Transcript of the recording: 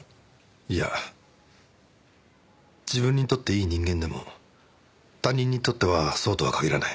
いや自分にとっていい人間でも他人にとってはそうとは限らない。